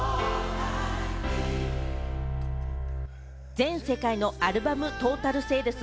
全世界のアルバムトータルセールス